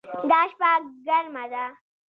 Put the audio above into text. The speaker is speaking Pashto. دا شپه ګرمه ده